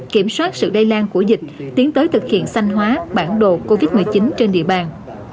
kiểm soát sự lây lan của dịch tiến tới thực hiện xanh hóa bản đồ covid một mươi chín trên địa bàn